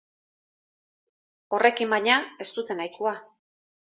Horrekin, baina, ez dute nahikoa.